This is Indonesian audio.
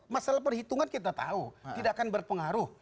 masalah perhitungan kita tahu tidak akan berpengaruh